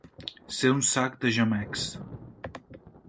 Ser un sac de gemecs.